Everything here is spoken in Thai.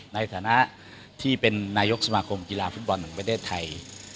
ในฐานะที่เป็นนายกสมาคมกีฬาฟุตบอลแห่งประเทศไทย